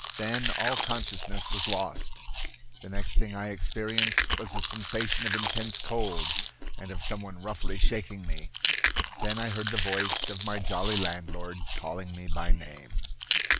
Then all consciousness was lost. The next thing I experienced was a sensation of intense cold, and of someone roughly shaking me. Then I heard the voice of my jolly landlord calling me by name."